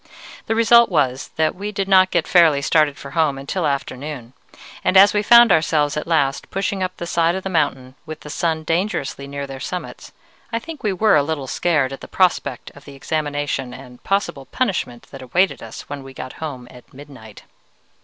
The result was that we did not get fairly started for home until afternoon, and as we found ourselves at last pushing up the side of the mountain with the sun dangerously near their summits, I think we were a little scared at the prospect of the examination and possible punishment that awaited us when we got home at midnight.